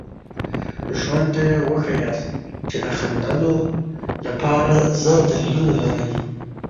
ژوند ته یې وښایاست چې د خندلو لپاره زر دلیلونه لرئ.